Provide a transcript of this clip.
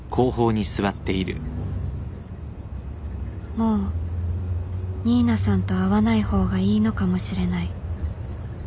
もう新名さんと会わない方がいいのかもしれない